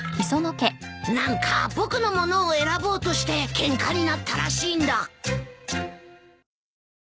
何か僕のものを選ぼうとしてケンカになったらしいんだ。